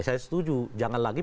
saya setuju jangan lagi